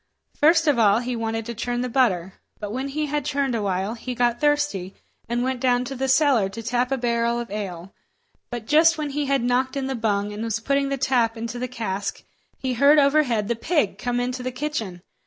First of all he wanted to churn the butter; but when he had churned a while, he got thirsty, and went down to the cellar to tap a barrel of ale. So, just when he had knocked in the bung, and was putting the tap into the cask, he heard overhead the pig come into the kitchen.